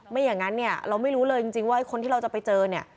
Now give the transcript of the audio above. อย่างนั้นเนี่ยเราไม่รู้เลยจริงว่าคนที่เราจะไปเจอเนี่ย